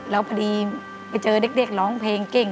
แล้วพอดีไปเจอเด็กร้องเพลงเก่ง